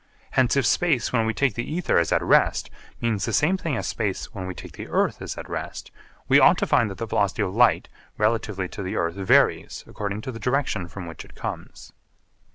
Hence if space when we take the ether as at rest means the same thing as space when we take the earth as at rest, we ought to find that the velocity of light relatively to the earth varies according to the direction from which it comes.